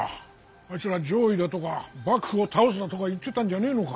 あいつら攘夷だとか幕府を倒すだとか言ってたんじゃねぇのか。